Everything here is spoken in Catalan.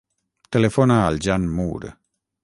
Telefona al Jan Moore.